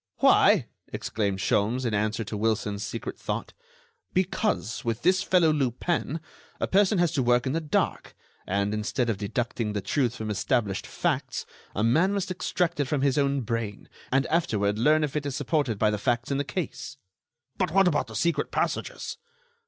"Why?" exclaimed Sholmes, in answer to Wilson's secret thought, "because, with this fellow Lupin, a person has to work in the dark, and, instead of deducting the truth from established facts, a man must extract it from his own brain, and afterward learn if it is supported by the facts in the case." "But what about the secret passages?"